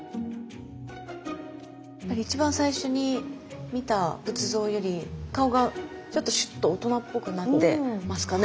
やっぱり一番最初に見た仏像より顔がちょっとシュッと大人っぽくなってますかね。